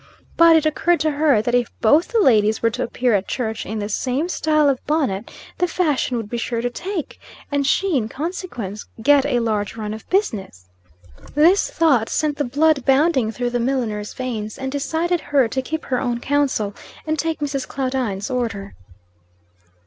But, it occurred to her, that if both the ladies were to appear at church in the same style of bonnet, the fashion would be sure to take, and she, in consequence, get a large run of business. This thought sent the blood bounding through the milliner's veins, and decided her to keep her own counsel, and take Mrs. Claudine's order.